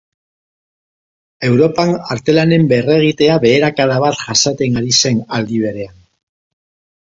Europan artelanen berregitea beherakada bat jasaten ari zen aldi berean.